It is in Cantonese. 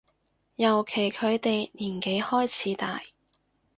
尤其佢哋年紀開始大